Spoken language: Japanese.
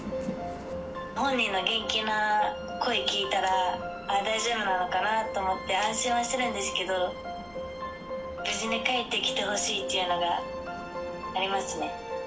本人の元気な声聞いたら、大丈夫なのかなと思って安心はしてるんですけど、無事に帰ってきてほしいっていうのがありますね。